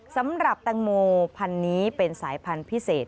สำหรับแตงโมพันธุ์นี้เป็นสายพันธุ์พิเศษ